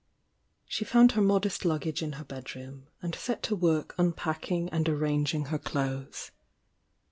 She found her modest luggage in her bedroom, and set to work unpacking and arrangine her clothes.